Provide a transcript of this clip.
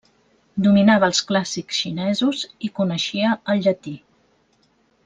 Dominava els clàssics xinesos i coneixia el llatí.